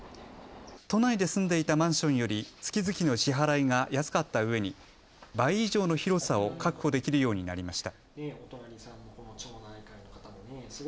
都内で住んでいたマンションより月々の支払いが安かったうえに倍以上の広さを確保できるようになりました。